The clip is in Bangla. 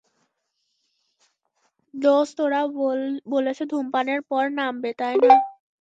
দোস্ত, ওরা বলেছে ধূমপানের পর নামবে, তাই না?